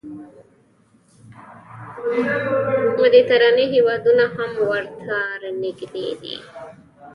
مدیترانې هېوادونه هم ورته نږدې دي.